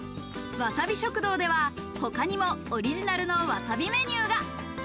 わさび食堂では他にもオリジナルのわさびメニューが。